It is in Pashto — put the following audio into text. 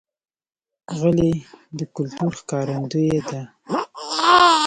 غلۍ د کلتور ښکارندوی ده.